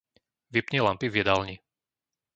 Vypni lampy v jedálni.